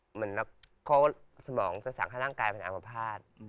เหมือนเขาสมองจะสั่งให้ร่างกายเป็นอามภาษณ์